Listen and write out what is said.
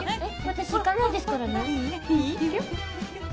私行かないですからね。